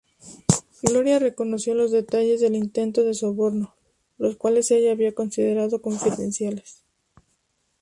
Gloria reconoció los detalles del intento de soborno, los cuales ella había considerado confidenciales.